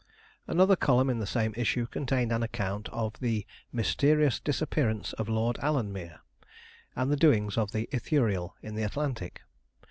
Another column in the same issue contained an account of the "Mysterious Disappearance of Lord Alanmere" and the doings of the Ithuriel in the Atlantic.